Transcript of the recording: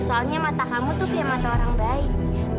soalnya mata kamu tuh punya mata orang baik